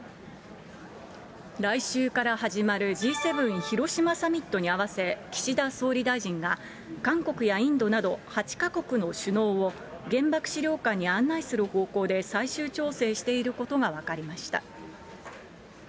来週から始まるＧ７広島サミットに合わせ、岸田総理大臣が、韓国やインドなど８か国の首脳を、原爆資料館に案内する方向で最終調整していることが分かりました。